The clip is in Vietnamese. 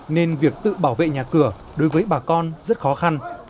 nên việc tự bảo vệ nhà cửa đối với bà con rất khó khăn